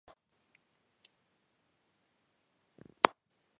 მოსახლეობის მხრივ გიზას ეგვიპტურ პროვინციებს შორის მეორე ადგილი უკავია.